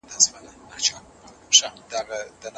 يو سمندر تر ملا تړلى يم